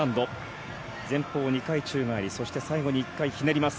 前方２回宙返りそして、最後に１回ひねります。